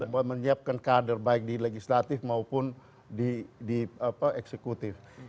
bahwa menyiapkan kader baik di legislatif maupun di eksekutif